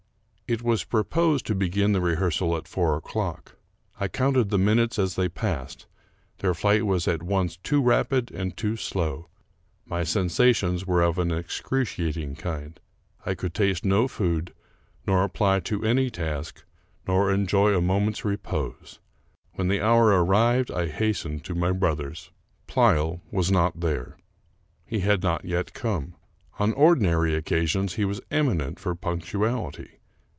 It was proposed to begin the rehearsal at four o'clock. I counted the minutes as they passed ; their flight was at once too rapid and too slow : my sensations were of an excruci ating kind ; I could taste no food, nor apply to any task, nor enjoy a moment's repose; when the hour arrived I hastened to my brother's. Pleyel was not there. He had not yet come. On ordi nary occasions he was eminent for punctuality.